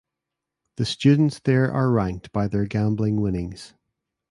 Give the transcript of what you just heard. The students there are ranked by their gambling winnings.